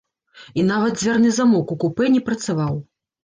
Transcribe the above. І нават дзвярны замок у купэ не працаваў.